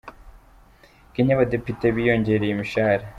Kenya Abadepite biyongereye imishahara